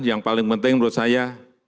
yang paling penting menurut saya